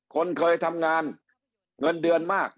คนเคยทำงานเงินเดือนมาก